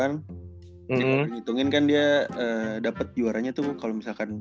yang ngitungin kan dia dapet juaranya tuh kalo misalkan